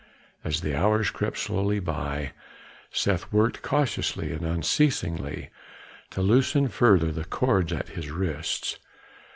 As the hours crept slowly by, Seth worked cautiously and unceasingly to loosen further the cords at his wrists.